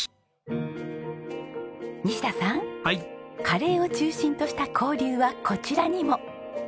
カレーを中心とした交流はこちらにも。